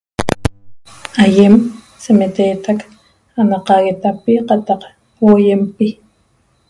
Ayem se metetac Ana qaguetapi qatac huayempi .